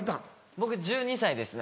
僕１２歳ですね。